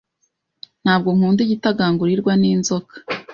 Ntabwo nkunda igitagangurirwa n'inzoka.